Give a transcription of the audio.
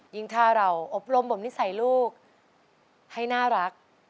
ยิ่งถ้าเราอบรมบ่มนิสัยลูกให้น่ารัก